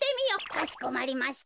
「かしこまりました」。